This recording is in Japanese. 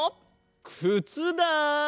くつだ！